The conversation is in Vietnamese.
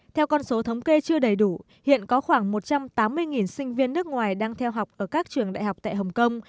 theo con số thống kê chưa đầy đủ hiện có khoảng một trăm tám mươi sinh viên nước ngoài đang theo học ở các trường đại học tại hồng kông